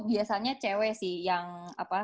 biasanya cewek sih yang